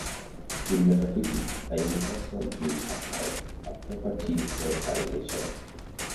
In metaphysics, a universal is a type, a property, or a relation.